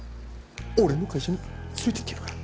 俺の会社に連れていってやるから。